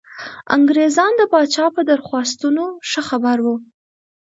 انګرېزان د پاچا په درخواستونو ښه خبر وو.